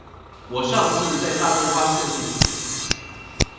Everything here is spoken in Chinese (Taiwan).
我上次在大潤發測試時